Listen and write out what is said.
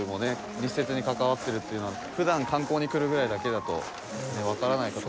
密接に関わってるっていうのは普段観光に来るぐらいだけだとわからない事も。